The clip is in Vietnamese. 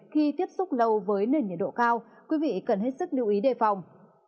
khi tiếp xúc lâu với nền nhiệt độ cao quý vị cần hết sức lưu ý đề phòng